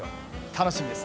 楽しみです。